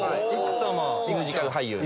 ミュージカル俳優の。